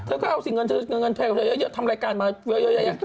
เธอก็เอาสิเงินเธอทำรายการมาเยอะ